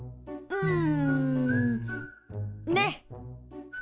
うん。